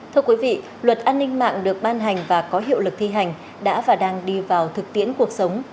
thưa quý vị luật an ninh mạng được ban hành và có hiệu lực thi hành đã và đang đi vào thực tiễn cuộc sống